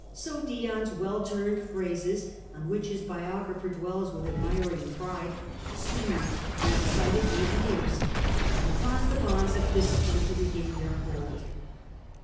So Dion^s well turned phrases, on which his biographer dwells with admiring pride, soothed the excited mutineers, and caused the bonds of discipline to regain their hold.